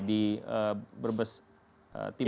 di berbes timur